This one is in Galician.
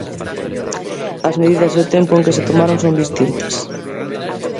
As medidas e o tempo en que se tomaron son distintas.